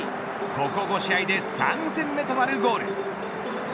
ここ５試合で３点目となるゴール。